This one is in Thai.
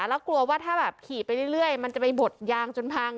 แล้วกลัวว่าถ้าแบบขี่ไปเรื่อยมันจะไปบดยางจนพัง